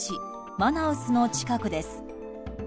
マナウスの近くです。